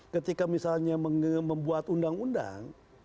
ketika misalnya membuat undang undang